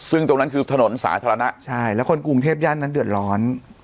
ซึ่งตรงนั้นคือถนนสาธารณะใช่แล้วคนกรุงเทพย่านนั้นเดือดร้อน